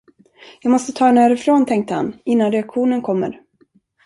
Jag måste ta henne härifrån, tänkte han, innan reaktionen kommer.